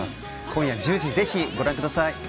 今夜１０時からぜひご覧ください。